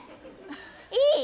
いい？